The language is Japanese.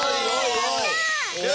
やった！